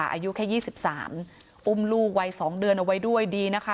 อายุแค่ยี่สิบสามอุ้มลูกไว้สองเดือนเอาไว้ด้วยดีนะคะ